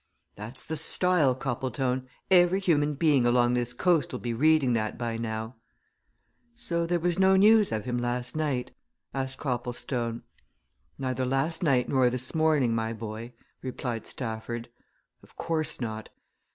That's the style, Copplestone! every human being along this coast'll be reading that by now!" "So there was no news of him last night?" asked Copplestone. "Neither last night nor this morning, my boy," replied Stafford. "Of course not!